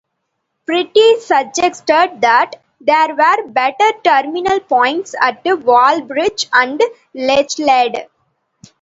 Priddy suggested that there were better terminal points at Wallbridge and Lechlade.